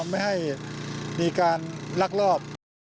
ไม่ให้มีการลักลอบ